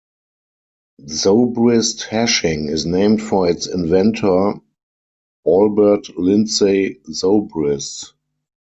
Zobrist hashing is named for its inventor, Albert Lindsey Zobrist.